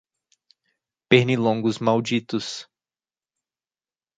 Pernilongos malditos